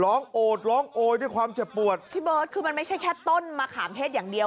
โอดร้องโอยด้วยความเจ็บปวดพี่เบิร์ตคือมันไม่ใช่แค่ต้นมะขามเทศอย่างเดียว